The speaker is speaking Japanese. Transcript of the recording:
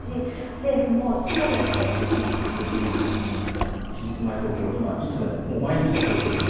政府もしっかり説明していく義務があると思います。